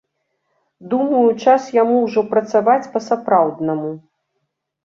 Думаю, час яму ўжо працаваць па-сапраўднаму.